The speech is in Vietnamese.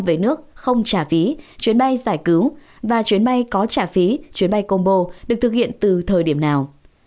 về nước không trả phí chuyến bay giải cứu và chuyến bay có trả phí chuyến bay combo được thực hiện từ thời điểm nào